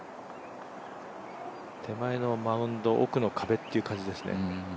手前のマウンド、奥の壁という感じだね。